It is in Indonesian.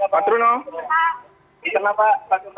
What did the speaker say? pak terno boleh disatakan